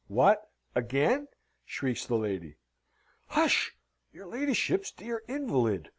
"What, again?" shrieks the lady. "Hush! Your ladyship's dear invalid!"